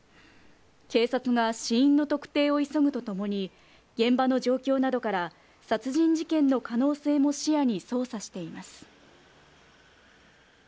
警察が死因の特定を急ぐとともに、現場の状況などから、殺人事件の可能性も視野に捜査しています。